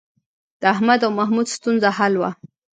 د احمد او محمود ستونزه حل وه